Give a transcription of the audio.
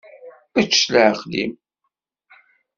Ečč s leɛqel-im.